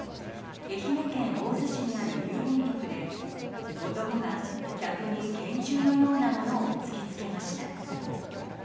愛媛県大洲市にある郵便局で男が客に拳銃のようなものを突きつけました。